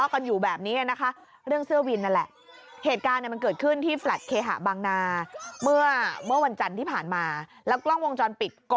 ฝั่งนายเพชรเขาขี่มอเตอร์ไซค์มาป๊าบจอด